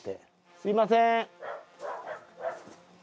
すみません。